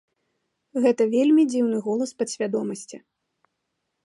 Гэта вельмі дзіўны голас падсвядомасці.